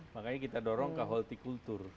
makanya kita dorong ke horticultur